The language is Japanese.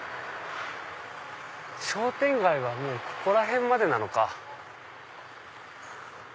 商店街はここら辺までなのか。